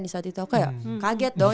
di saat itu kayak kaget dong